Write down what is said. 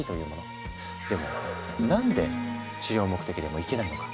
でも何で治療目的でもいけないのか？